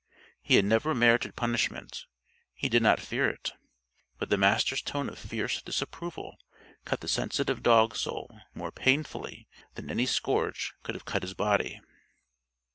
He had never merited punishment. He did not fear it. But the Master's tone of fierce disapproval cut the sensitive dog soul more painfully than any scourge could have cut his body.